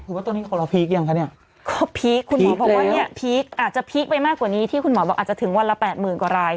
ว่าตอนนี้ของเราพีคยังคะเนี่ยก็พีคคุณหมอบอกว่าเนี่ยพีคอาจจะพีคไปมากกว่านี้ที่คุณหมอบอกอาจจะถึงวันละแปดหมื่นกว่าราย